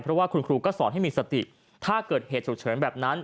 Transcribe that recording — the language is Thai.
เพราะว่าคุณครูก็สอนให้มีสติถ้าเกิดเหตุฉุกเฉินแบบนั้น